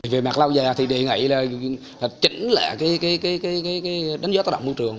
về mặt lâu dài thì đề nghị là chỉnh lại cái đánh giá tạo động môi trường